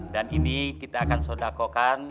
dan ini kita akan sodakokan